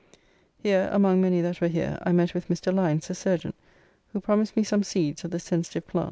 Here, among many that were here, I met with Mr. Lynes, the surgeon, who promised me some seeds of the sensitive plant.